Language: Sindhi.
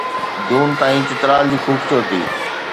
جون تائين چترال جي خوبصورتي